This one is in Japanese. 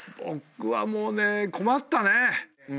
僕はもうね困ったね。